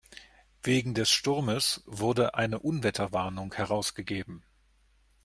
Wegen des Sturmes wurde eine Unwetterwarnung herausgegeben.